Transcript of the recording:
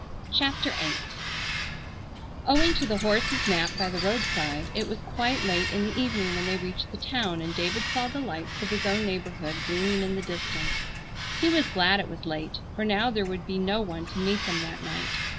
CHAPTER VIII Owing to the horse's nap by the roadside, it was quite late in the evening when they reached the town and David saw the lights of his own neighborhood gleaming in the distance. He was glad it was late, for now there would be no one to meet them that night.